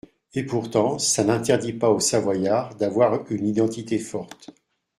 Et, pourtant, ça n’interdit pas aux Savoyards d’avoir une identité forte.